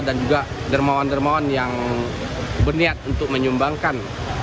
dan juga dermawan dermawan yang berniat untuk menyumbangkan